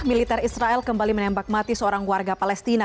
militer israel kembali menembak mati seorang warga palestina